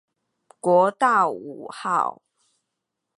國道五號